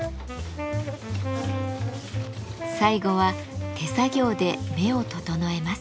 最後は手作業で目を整えます。